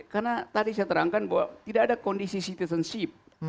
karena tadi saya terangkan bahwa tidak ada kondisi citizenship